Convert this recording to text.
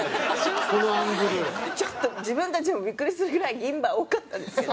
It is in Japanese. ちょっと自分たちでもビックリするぐらい銀歯多かったんですけど。